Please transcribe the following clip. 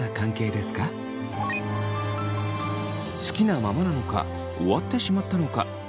好きなままなのか終わってしまったのか。